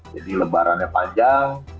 jadi lebarannya panjang